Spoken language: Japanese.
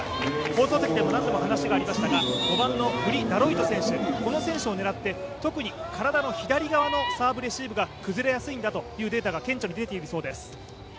放送席でも何度も話がありましたが、５番のプリ・ダロイト選手、この選手を狙って、特に体の左側のサーブレシーブが崩れやすいんだというデータが顕著に出ているそうです。